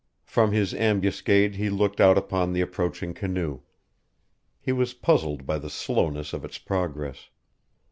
From his ambuscade he looked out upon the approaching canoe. He was puzzled by the slowness of its progress.